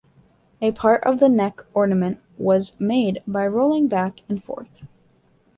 A part of the neck ornament was made by rolling back and forth.